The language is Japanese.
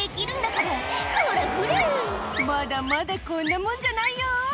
「ほらほらまだまだこんなもんじゃないよ！」